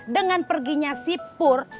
dengan perginya si pur